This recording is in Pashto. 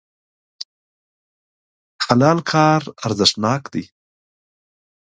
د حلال کار ارزښتناک دی.